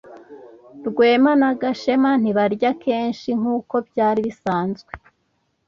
Rwema na Gashema ntibarya kenshi nkuko byari bisanzwe.